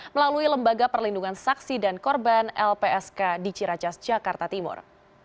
melalui lembaga perlindungan saksi dan korban lpsk di ciracas jakarta timur